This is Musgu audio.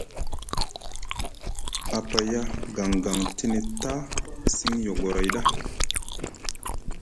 A paya gangang tini ta siŋ yogoray ɗa.